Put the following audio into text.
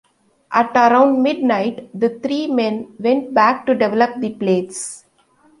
At around midnight, the three men went back to develop the plates.